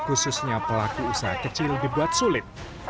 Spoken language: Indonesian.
khususnya pelaku usaha kecil dibuat sulit